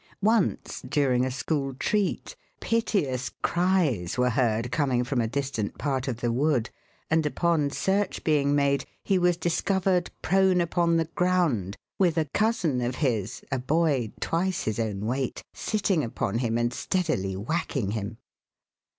Once, during a school treat, piteous cries were heard coming from a distant part of the wood, and upon search being made, he was discovered prone upon the ground, with a cousin of his, a boy twice his own weight, sitting upon him and steadily whacking him.